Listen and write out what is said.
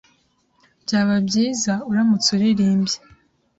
Byaba byiza uramutse uririmbye.